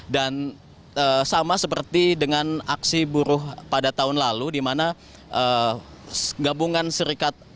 dan sama seperti dengan aksi buruh pada tahun lalu dimana gabungan serikat